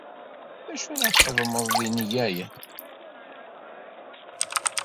D acu ara txedmemt deg Yennayer?